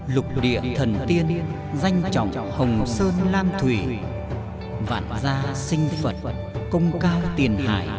lục địa thần tiên danh chồng hồng sơn lan thủy vạn gia sinh phật công cao tiền hải